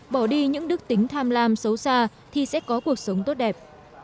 bỏ đi những đức tính tham lam xấu xa thì sẽ có cuộc sống tốt đẹp